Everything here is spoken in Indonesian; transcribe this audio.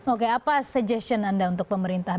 oke apa suggestion anda untuk pemerintah